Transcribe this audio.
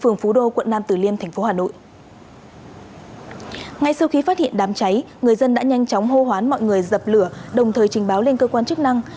ngay sau khi phát hiện đám cháy người dân đã nhanh chóng hô hoán mọi người dập lửa đồng thời trình báo lên cơ quan chức năng